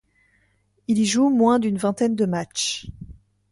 Il y joue moins d'une vingtaine de matches.